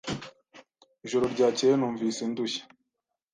Ijoro ryakeye numvise ndushye.